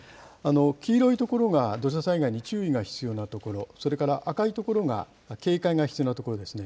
黄色い所が土砂災害に注意が必要な所、それから赤い所が警戒が必要な所ですね。